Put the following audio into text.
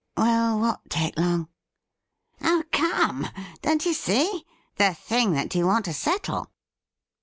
' Will what take long ?'' Oh, come ! don't you see — ^the thing that you want to settle.'